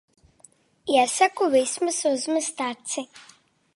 Iesaku vismaz uzmest aci.